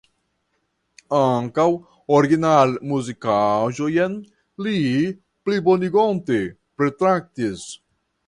Ankaŭ originalmuzikaĵojn li plibonigonte pritraktis.